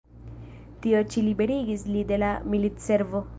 Tio ĉi liberigis li de la militservo.